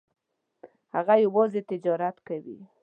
هغه یوازې تجارت کوي.